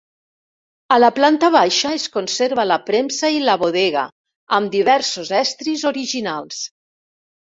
A la planta baixa es conserva la premsa i la bodega amb diversos estris originals.